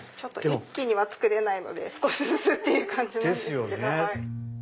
一気には作れないんで少しずつって感じなんですけど。